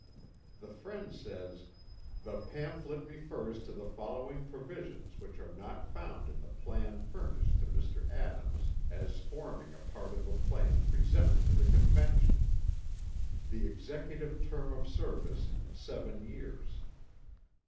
The friend says "The pamphlet refers to the following provisions which are not found in the plan furnished to Mr. Adams as forming a part of the plan presented to the Convention: The executive term of service 7 years.